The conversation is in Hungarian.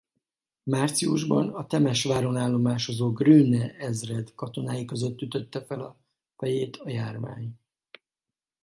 Márciusban a Temesváron állomásozó Grünne-ezred katonái között ütötte fel a fejét a járvány.